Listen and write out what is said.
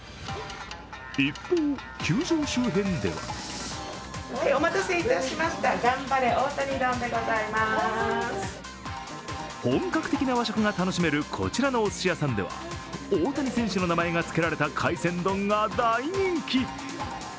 一方、球場周辺では本格的な和食が楽しめるこちらのおすし屋さんでは大谷選手の名前がつけられた海鮮丼が大人気。